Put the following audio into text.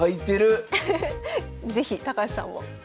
是非高橋さんも。